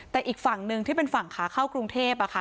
แต่อีกฝั่งหนึ่งที่เป็นฝั่งขาข้าวกรุงเทพฯอ่ะค่ะค่ะ